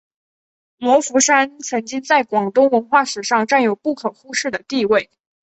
罗浮山曾经在广东文化史上占有不可忽视的地位。